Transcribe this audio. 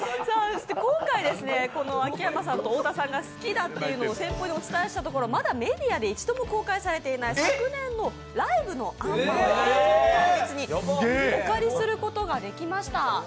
今回、秋山さんと太田さんが好きだということを先方にお伝えしたところ、まだメディアで一度も公開されたことのない昨年のライブの「アンマー」の映像を特別にお借りすることができました。